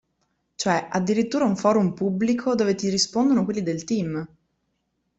Cioè addirittura un forum pubblico dove ti rispondono quelli del team!